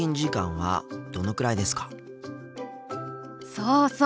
そうそう。